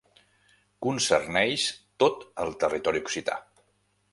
Concerneix tot el territori occità.